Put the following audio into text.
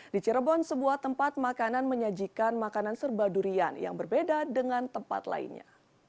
di cirebon sebuah tempat makanan menyajikan makanan serba durian yang berbeda dengan tempat lainnya